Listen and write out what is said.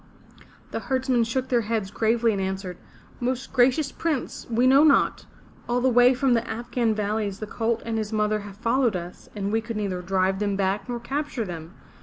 '* The herdsmen shook their heads gravely and answered, "Most gracious Prince, we know not. All the way from the Afghan valleys the colt and his mother have followed us, and we could neither drive them back nor capture them.